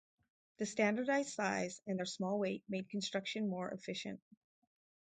The standardized size and their small weight made construction more efficient.